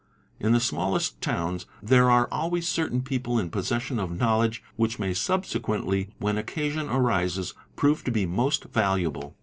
In the smallest towns there are always certain people in possession of knowledge which may subsequently when occasion arises prove to be most valuable.